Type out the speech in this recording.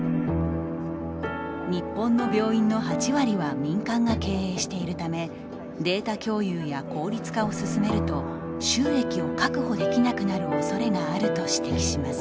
日本の病院の８割は民間が経営しているためデータ共有や効率化を進めると収益を確保できなくなるおそれがあると指摘します。